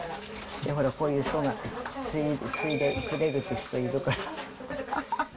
ほら、こういう人が、継いでくれるっていう人いるから。